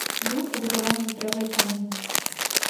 Быў пабудаваны з дрэва і каменю.